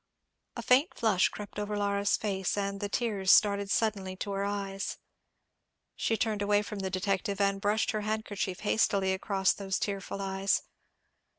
A faint flush crept over Laura's face, and the tears started suddenly to her eyes. She turned away from the detective, and brushed her handkerchief hastily across those tearful eyes.